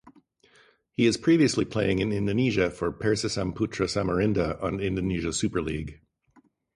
He is previously playing in Indonesia for Persisam Putra Samarinda on Indonesia Super League.